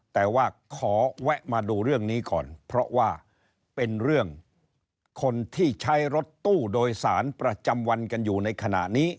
แต่ว่าขอแวะมาดูเรื่องนี้ก่อนเพราะว่าเป็นเรื่องคนที่ใช้รถตู้โดยสารประจำวันกันอยู่ในขณะนี้